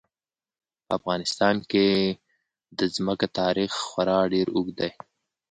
په افغانستان کې د ځمکه تاریخ خورا ډېر اوږد دی.